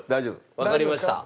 わかりました。